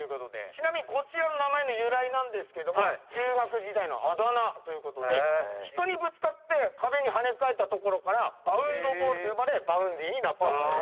ちなみにこちらの名前の由来なんですけども中学時代のあだ名ということで人にぶつかって壁に跳ね返ったところからバウンドボールと呼ばれバウンディになったという。